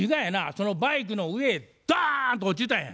そのバイクの上へドーンと落ちたんや。